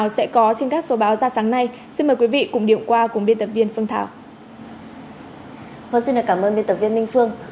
xin cảm ơn biên tập viên minh phương